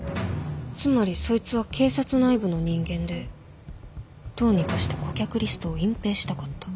つまりそいつは警察内部の人間でどうにかして顧客リストを隠蔽したかった。